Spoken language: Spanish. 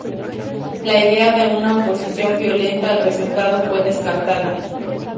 La idea de una oposición violenta al resultado fue descartada.